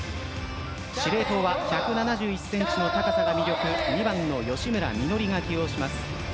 司令塔は１７１ｃｍの高さが魅力２番の吉村美乃里が起用されます。